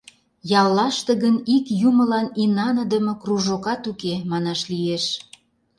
Яллаште гын ик юмылан инаныдыме кружокат уке, манаш лиеш.